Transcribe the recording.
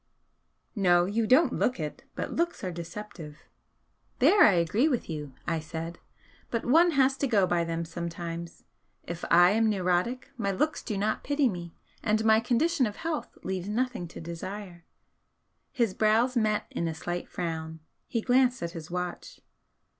"No you don't look it; but looks are deceptive." "There I agree with you," I said "But one has to go by them sometimes. If I am 'neurotic,' my looks do not pity me, and my condition of health leaves nothing to desire." His brows met in a slight frown. He glanced at his watch.